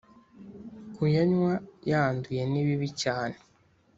Kuyanywa yanduye nibibi cyane